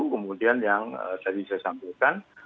kemudian yang tadi saya sampaikan